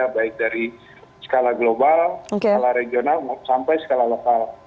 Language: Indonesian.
baik dari skala global skala regional sampai skala lokal